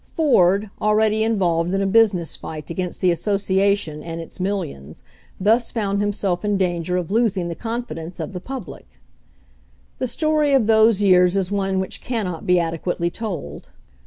Ford, already involved in a business fight against the association and its millions, thus found himself in danger of losing the confidence of the public. The story of those years is one which cannot be adequately told.